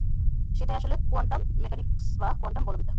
সেটাই আসলে quantum mechanics বা কোয়ান্টাম বলবিদ্যা।